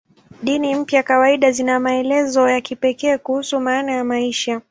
Dini mpya kawaida zina maelezo ya kipekee kuhusu maana ya maisha.